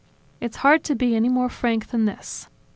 It's hard to be any more frank than this.